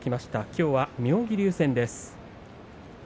きょうは妙義龍戦です。